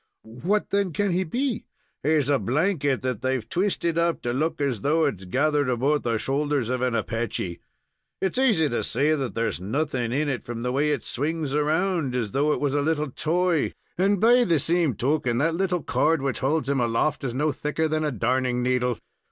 "What, then, can he be?" "He's a blanket that they've twisted up so as to look as though it is gathered about the shoulders of an Apache. It's easy to see that there's nothing in it from the way it swings around, as though it was a little toy; and, be the same token, that little cord which holds him aloft is no thicker than a darning needle.